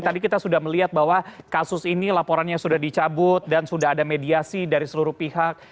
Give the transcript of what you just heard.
tadi kita sudah melihat bahwa kasus ini laporannya sudah dicabut dan sudah ada mediasi dari seluruh pihak